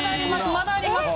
まだあります。